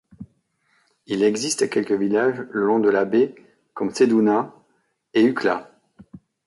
Il existe quelques villages le long de la baie, comme Ceduna et Eucla.